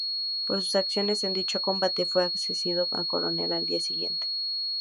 Por sus acciones en dicho combate, fue ascendido a coronel al día siguiente.